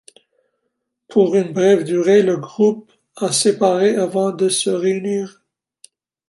Pour une brève durée, le groupe a séparé avant de se réunir.